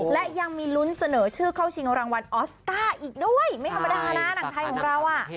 และยังมีลุ้นเสนอชื่อเข้าชิงรางวัลออสการ์อีกด้วยไม่ธรรมดานะหนังไทยของเราอ่ะ